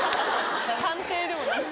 探偵でもない。